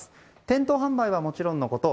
店頭販売はもちろんのこと